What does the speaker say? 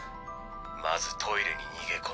まずトイレに逃げ込め。